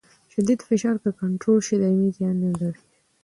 شدید فشار که کنټرول شي دایمي زیان نه لري.